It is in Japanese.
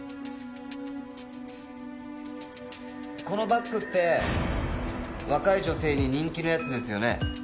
このバッグって若い女性に人気のやつですよね。